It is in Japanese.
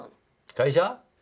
会社？